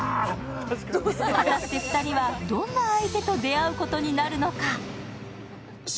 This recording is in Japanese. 果たして２人はどんな相手と出会うことになるのか。